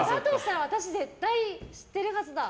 私絶対知ってるはずだ。